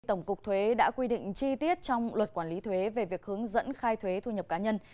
tổng cục thuế đã quy định chi tiết trong luật quản lý thuế về việc hướng dẫn khai thuế thu nhập cá nhân